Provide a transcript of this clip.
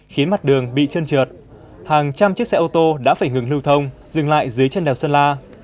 khiến mặt đường bị chân trượt hàng trăm chiếc xe ô tô đã phải ngừng lưu thông dừng lại dưới chân đèo sơn la